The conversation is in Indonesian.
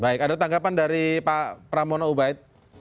baik ada tanggapan dari pak pramono ubaid